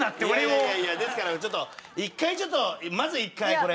いやいやいやですから一回ちょっとまず一回これ。